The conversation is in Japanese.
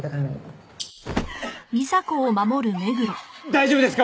大丈夫ですか？